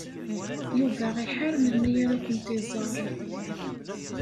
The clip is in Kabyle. Yuba iḥar melmi ara kent-iẓer.